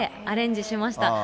アレンジしました。